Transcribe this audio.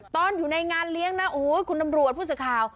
ตอนอยู่ในงานเลี้ยงนะโอ้โหคุณตำรวจผู้สื่อข่าว